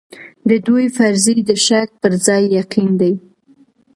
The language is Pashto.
د دوی فرضيې د شک پر ځای يقين دي.